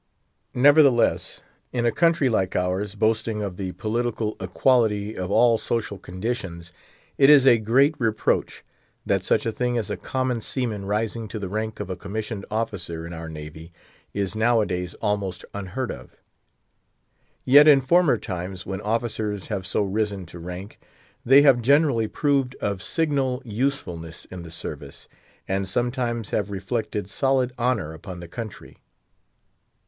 Nevertheless, in a country like ours, boasting of the political equality of all social conditions, it is a great reproach that such a thing as a common seaman rising to the rank of a commissioned officer in our navy, is nowadays almost unheard of. Yet, in former times, when officers have so risen to rank, they have generally proved of signal usefulness in the service, and sometimes have reflected solid honour upon the country.